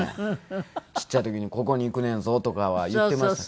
ちっちゃい時に「ここに行くねんぞ」とかは言っていましたけど。